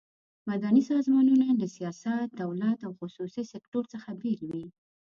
مدني سازمانونه له سیاست، دولت او خصوصي سکټور څخه بیل وي.